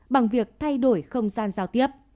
bằng việc thay đổi không gian giao tiếp